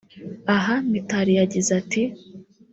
Aha Mitali yagize ati